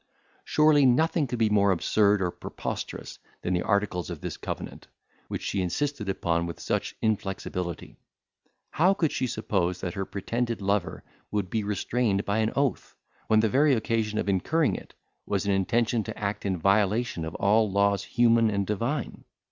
Surely nothing could be more absurd or preposterous than the articles of this covenant, which she insisted upon with such inflexibility. How could she suppose that her pretended lover would be restrained by an oath, when the very occasion of incurring it was an intention to act in violation of all laws human and divine?